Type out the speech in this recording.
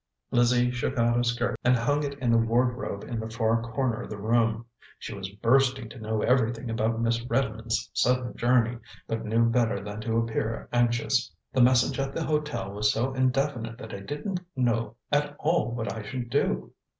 Lizzie shook out a skirt and hung it in the wardrobe in the far corner of the room. She was bursting to know everything about Miss Redmond's sudden journey, but knew better than to appear anxious. "The message at the hotel was so indefinite that I didn't know at all what I should do.